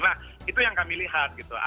nah itu yang kami lihat gitu